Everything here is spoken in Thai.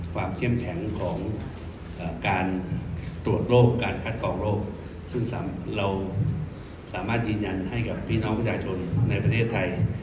ความเข้มแข็งของการตรวจโรคการคัดกรองโรคซึ่งเราสามารถยืนยันให้กับพี่น้องประชาชนในประเทศไทย